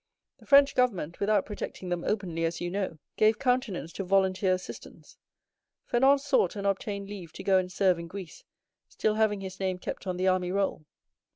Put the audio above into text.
The French government, without protecting them openly, as you know, gave countenance to volunteer assistance. Fernand sought and obtained leave to go and serve in Greece, still having his name kept on the army roll.